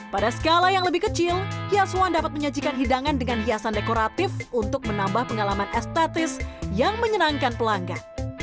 pada skala yang lebih kecil yaswan dapat menyajikan hidangan dengan hiasan dekoratif untuk menambah pengalaman estetis yang menyenangkan pelanggan